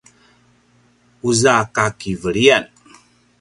uza kakiveliyan